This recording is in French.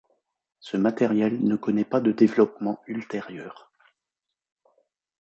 Ce matériel ne connaît pas de développement ultérieur.